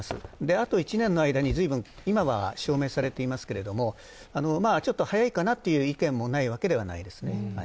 あと１年の間に、ずいぶん今は証明されてますけどちょっと早いかなという意見もないわけではないですね。